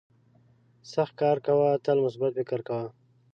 سخت کار کوه تل مثبت فکر کوه.